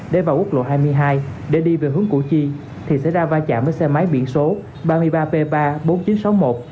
để vào quốc lộ hai mươi hai để đi về hướng củ chi thì xảy ra va chạm với xe máy biển số ba mươi ba p ba mươi bốn nghìn chín trăm sáu mươi một